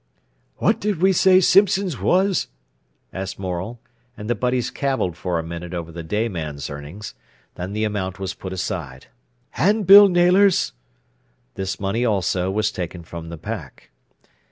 "What did we say Simpson's was?" asked Morel; and the butties cavilled for a minute over the dayman's earnings. Then the amount was put aside. "An' Bill Naylor's?" This money also was taken from the pack.